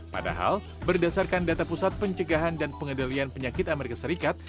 padahal berdasarkan data pusat pencegahan dan pengendalian penyakit amerika serikat